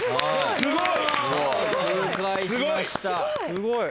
すごい！